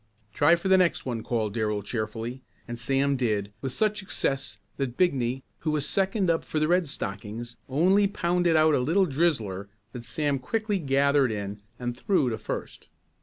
"Try for the next one," called Darrell cheerfully, and Sam did with such success that Bigney, who was second up for the Red Stockings, only pounded out a little drizzler that Sam quickly gathered in and threw to first.